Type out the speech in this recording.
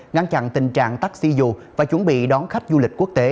ngăn chặn tình trạng taxi dù và chuẩn bị đón khách du lịch quốc tế